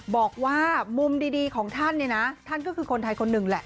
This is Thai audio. บอกว่ามุมดีของท่านเนี่ยนะท่านก็คือคนไทยคนหนึ่งแหละ